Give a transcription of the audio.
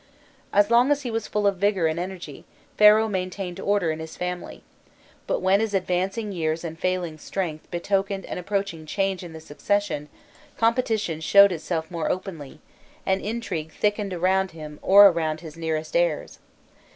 As long as he was full of vigour and energy, Pharaoh maintained order in his family; but when his advancing years and failing strength betokened an approaching change in the succession, competition showed itself more openly, and intrigue thickened around him or around his nearest heirs.